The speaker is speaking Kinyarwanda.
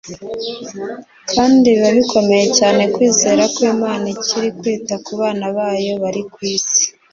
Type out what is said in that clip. kandi biba bikomeye cyane kwizera ko Imana ikiri icyita ku bana bayo bari ku isi